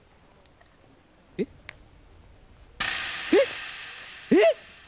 えっ？えっ！？